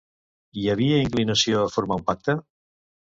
Hi havia inclinació a formar un pacte?